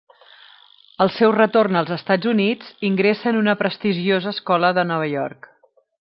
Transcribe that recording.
Al seu retorn als Estats Units, ingressa en una prestigiosa escola de Nova York.